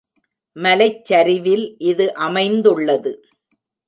மலைச்சரிவில் இது அமைந்துள்ளது.